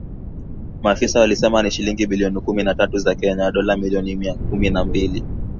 Maafisa walisema ni shilingi bilioni kumi na tatu za Kenya ,dola milioni mia kumi na mbili.